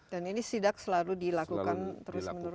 dan ini sidak selalu dilakukan terus menerus